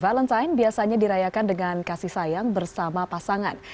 valentine biasanya dirayakan dengan kasih sayang bersama pasangan